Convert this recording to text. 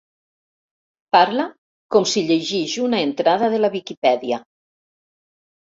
Parla com si llegís una entrada de la Viquipèdia.